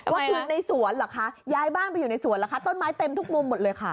ว่าคือในสวนเหรอคะย้ายบ้านไปอยู่ในสวนเหรอคะต้นไม้เต็มทุกมุมหมดเลยค่ะ